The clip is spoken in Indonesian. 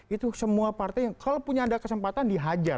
itu semua partai yang kalau punya ada kesempatan dihajar